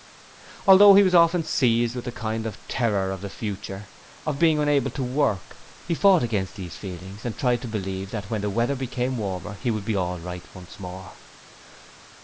Although he was often seized with a kind of terror of the future of being unable to work he fought against these feelings and tried to believe that when the weather became warmer he would be all right once more.